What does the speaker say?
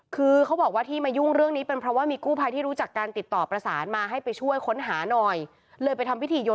คือเขาบอกว่าที่มายุ่งเรื่องนี้เป็นเพราะว่ามีกู้ภัยที่รู้จักการติดต่อประสานมาให้ไปช่วยค้นหาหน่อยเลยไปทำพิธีโยน